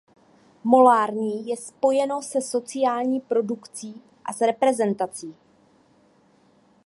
Molární je spojeno se sociální produkcí a s reprezentací.